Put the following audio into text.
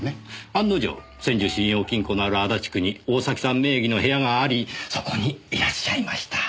案の定千住信用金庫のある足立区に大崎さん名義の部屋がありそこにいらっしゃいました。